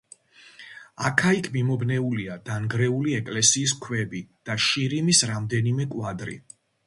აქა-იქ მიმობნეულია დანგრეული ეკლესიის ქვები და შირიმის რამდენიმე კვადრი.